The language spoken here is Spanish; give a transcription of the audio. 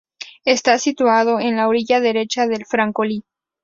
Está situado en la orilla derecha del Francolí.